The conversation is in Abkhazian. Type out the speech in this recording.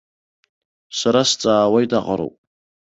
Сара сҵаауеит аҟароуп.